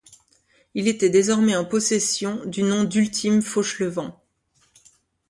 Il était désormais en possession du nom d'Ultime Fauchelevent.